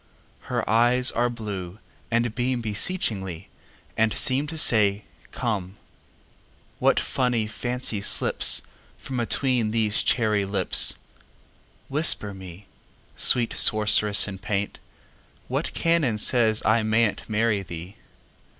Her eyes are blue, and beamBeseechingly, and seemTo say, "Come!"What funny fancy slipsFrom atween these cherry lips! Whisper me, Sweet sorceress in paint, What canon says I may n'tMarry thee?